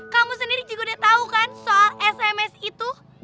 kamu sendiri juga udah tahu kan soal sms itu